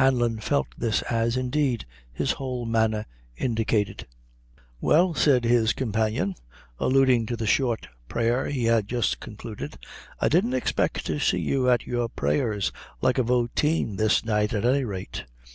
Hanlon felt this, as, indeed, his whole manner indicated. "Well," said his companion, alluding to the short prayer he had just concluded, "I didn't expect to see you at your prayers like a voteen this night at any rate.